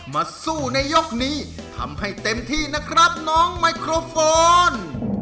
มาสู้ในยกนี้ทำให้เต็มที่นะครับน้องไมโครโฟน